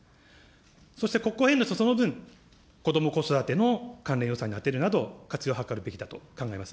そして国庫返納した分、こども・子育ての関連予算に充てるなど、活用を図るべきだと考えます。